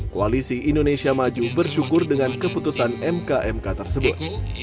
koalisi indonesia maju bersyukur dengan keputusan mk mk tersebut